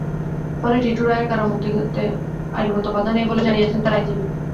ফলে টিটু রায়ের কারামুক্তিতে আইনগত বাধা নেই বলে জানিয়েছেন তাঁর আইনজীবী।